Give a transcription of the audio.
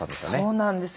そうなんです。